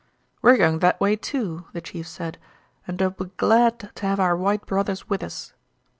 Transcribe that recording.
'We're going that way, too,' the chief said, 'and 'll be glad to have our white brothers with us.'